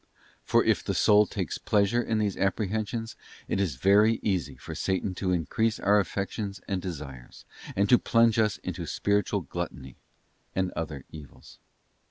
For if the soul takes pleasure in these apprehen sions, it is very easy for Satan to increase our affections and desires, and to plunge us into spiritual gluttony and other evils.